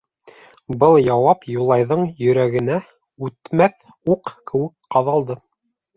Был яуап Юлайҙың йөрәгенә үтмәҫ уҡ кеүек ҡаҙалды.